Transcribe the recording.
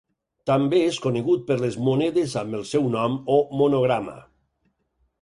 També és conegut per les monedes amb el seu nom o monograma.